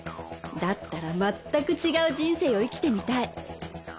だったら全く違う人生を生きてみたい